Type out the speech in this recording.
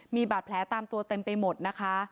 มีบาดแผลตามตัวเต็มไปหมดนะคะ